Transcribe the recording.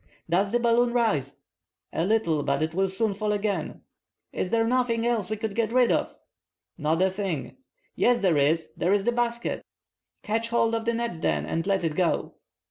"Does the balloon rise?" "A little, but it will soon fall again." "Is there nothing else we can gut rid of?" "Not a thing." "Yes there is; there's the basket!" "Catch hold of the net then, and let it go."